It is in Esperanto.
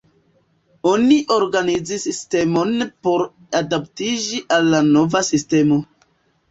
Oni organizis sistemon por adaptiĝi al la nova sistemo.